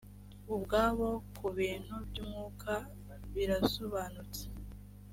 ubwabo ku bintu by’umwuka birasobanutse